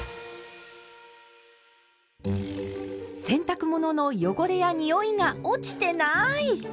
洗濯物の汚れやにおいが落ちてない！